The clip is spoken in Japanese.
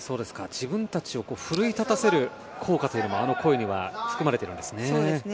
自分たちを奮い立たせる効果もあの声には含まれているんですね。